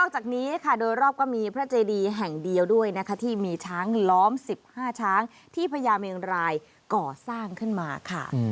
จากนี้ค่ะโดยรอบก็มีพระเจดีแห่งเดียวด้วยนะคะที่มีช้างล้อม๑๕ช้างที่พญาเมงรายก่อสร้างขึ้นมาค่ะ